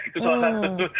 itu salah satu